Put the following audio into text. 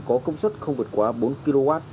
có công suất không vượt quá bốn kw